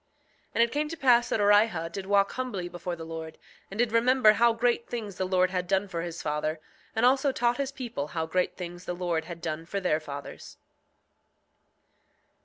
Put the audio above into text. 6:30 And it came to pass that Orihah did walk humbly before the Lord, and did remember how great things the Lord had done for his father, and also taught his people how great things the Lord had done for their fathers.